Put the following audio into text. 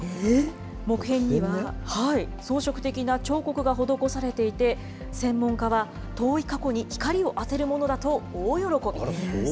木片には装飾的な彫刻が施されていて、専門家は、遠い過去に光を当てるものだと大喜び。